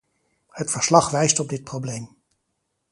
Het verslag wijst op dit probleem.